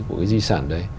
của cái di sản đấy